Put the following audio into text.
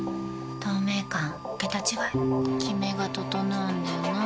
透明感桁違いキメが整うんだよな。